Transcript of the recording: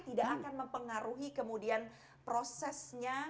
tidak akan mempengaruhi kemudian prosesnya